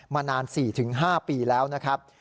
มานาน๔๕ปีแล้วนะครับ